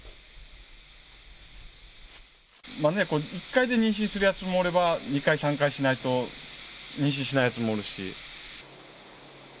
１回で妊娠するやつもおれば２回３回しないと妊娠しないやつもおるし。